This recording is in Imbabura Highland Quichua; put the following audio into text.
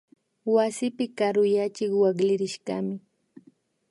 Wasipi karuyachik wakllirishkami